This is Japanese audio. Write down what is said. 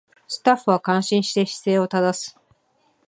スタッフは感心して姿勢を正す